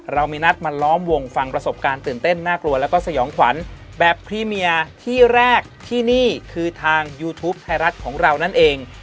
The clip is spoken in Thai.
เรามีนัดมาล้อมวงฟังประสบการณ์ตื่นเต้นน่ากลัวแล้วก็สยองขวัญแบบพรีเมียที่แรกที่นี่คือทางยูทูปไทยรัฐของเรานั่นเอง